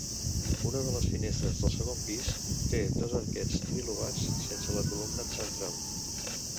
Una de les finestres del segon pis té dos arquets trilobats sense la columna central.